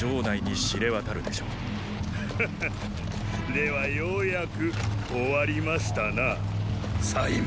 ではようやく終わりましたなも。